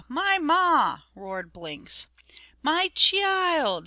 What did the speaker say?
my ma!" roared Blinks. "My chee ild!